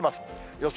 予想